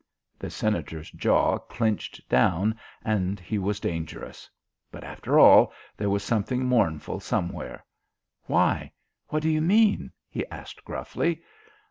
The Senator's jaw clinched down, and he was dangerous. But, after all, there was something mournful somewhere. "Why, what do you mean?" he asked gruffly.